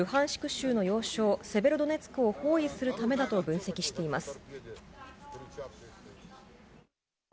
州の要衝セベロドネツクを包囲するためだと分析しています。